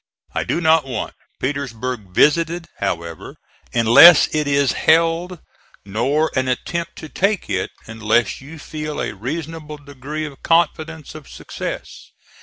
I do not want Petersburg visited, however, unless it is held, nor an attempt to take it, unless you feel a reasonable degree of confidence of success.